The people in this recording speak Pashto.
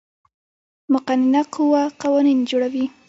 مقننه قوه قوانین جوړوي